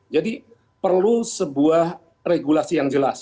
jadi perlu sebuah regulasi yang jelas